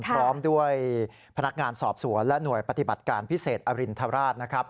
พร้อมด้วยพนักงานสอบสวนและหน่วยปฏิบัติการพิเศษอรินทราชนะครับ